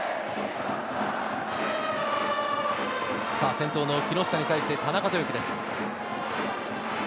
先頭の木下に対して田中豊樹です。